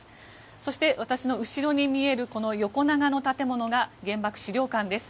そして、私の後ろに見える横長の建物が原爆資料館です。